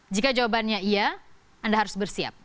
jika jawabannya iya anda harus bersiap